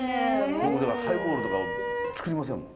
僕だからハイボールとかは作りませんもん。